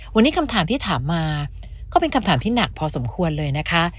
วันนี้คำถามที่ถามมาก็เป็นคำถามที่หนักพอสมควรเลยนะคะ